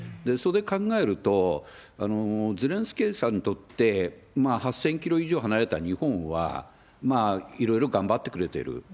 それで考えると、ゼレンスキーさんにとって、８０００キロ以上離れた日本はいろいろ頑張ってくれている。